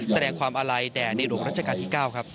แสดงความอาลัยและแดดในโรคนรัชกาลที่๙